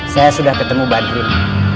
saya sudah ketemu badrun